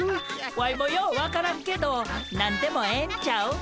ワイもよう分からんけど何でもええんちゃう？